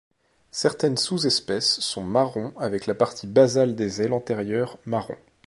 Certaines sous-espèces sont marron avec la partie basale des ailes antérieures marron.